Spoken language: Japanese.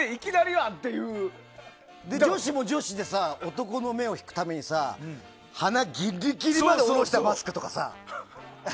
女子は女子でさ男の目を引くためにさ鼻ギリギリまで下ろしたマスクとかさ。